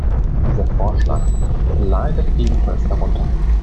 Dieser Vorschlag leidet ebenfalls darunter.